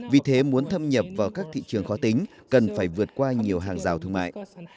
vì thế muốn thâm nhập vào các thị trường khó tính cần phải vượt qua nhiều hàng rào thương mại